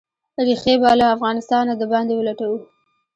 ریښې به «له افغانستانه د باندې ولټوو».